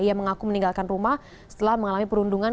ia mengaku meninggalkan rumah setelah mengalami perundungan